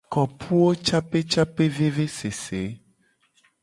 Kopuwocapecapevevesese.